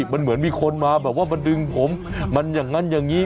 มันเหมือนมีคนมาแบบว่ามาดึงผมมันอย่างนั้นอย่างนี้